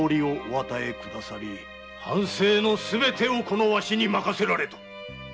藩政のすべてをこのわしに任せられた。